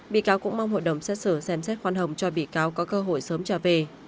bị cáo cũng mong hội đồng xét xử xem xét khoan hồng cho bị cáo có cơ hội sớm trả về